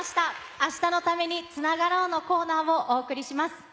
「明日のためにつながろう」のコーナーをお送りします。